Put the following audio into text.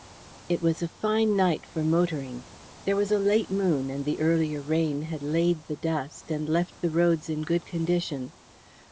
It was a fine night for motoring. There was a late moon, and the earlier rain had laid the dust and left the roads in good condition.